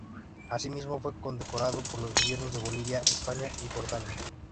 Asimismo, fue condecorado por los gobiernos de Bolivia, España y Jordania.